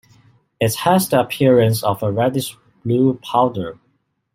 It has the appearance of a reddish-blue powder.